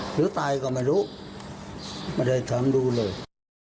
หรือตายก็ไม่รู้ไม่ได้ทำดูเลย